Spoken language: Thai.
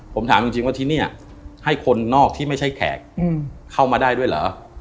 ผมถามจริงว่าที่นี่ให้คนนอกที่ไม่ใช่แขกเข้ามาได้ด้วยเหรอ